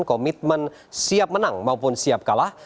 komitmen siap menang maupun siap kalah